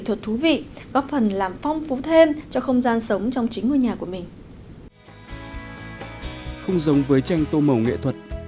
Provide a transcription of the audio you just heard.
quý vị và các bạn thân mến là một loại tranh nghệ thuật